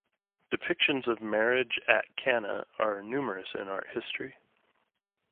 Depictions of "Marriage at Cana" are numerous in art history.